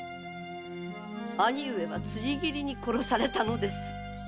兄上は辻斬りに殺されたのです。